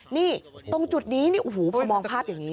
นี่ตรงจุดนี้โอ้โหพอมองภาพอย่างนี้